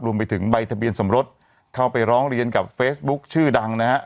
รวมไปถึงใบทะเบียนสมรสเข้าไปร้องเรียนกับเฟซบุ๊คชื่อดังนะฮะ